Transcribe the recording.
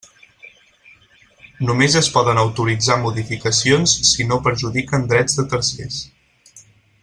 Només es poden autoritzar modificacions si no perjudiquen drets de tercers.